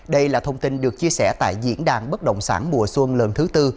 đây là thông tin được chia sẻ tại diễn đàn bất động sản mùa xuân lần thứ tư